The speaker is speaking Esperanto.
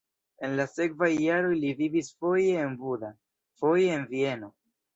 En la sekvaj jaroj li vivis foje en Buda, foje en Vieno.